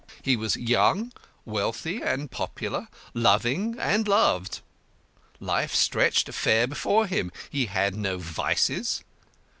He was young, wealthy, and popular, loving and loved; life stretched fair before him. He had no vices.